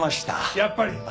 やっぱり。